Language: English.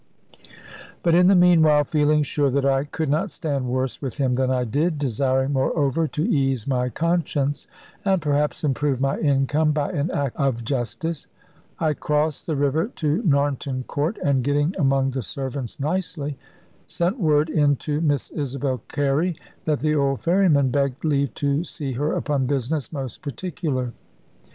But in the meanwhile, feeling sure that I could not stand worse with him than I did desiring, moreover, to ease my conscience, and perhaps improve my income, by an act of justice I crossed the river to Narnton Court, and getting among the servants nicely, sent word in to Miss Isabel Carey that the old ferryman begged leave to see her upon business most particular.